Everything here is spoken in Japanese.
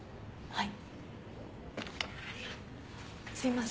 はい。